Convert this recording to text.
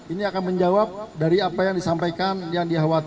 ini akan menjawab dari apa yang disampaikan yang dikhawatirkan